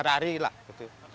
tapi kalau dari keuntungan gimana